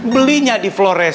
belinya di flores